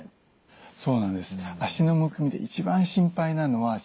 そうなんです。